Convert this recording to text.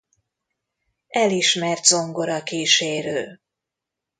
Elismert zongorakísérő.